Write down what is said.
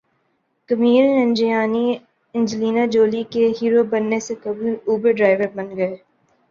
Kumail Nanjiani Angelina Jolie کے hero بننے سے قبل اوبر ڈرائیور بن گئے